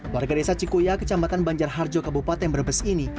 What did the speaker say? warga desa cikoya kecamatan banjar harjo kabupaten brebes ini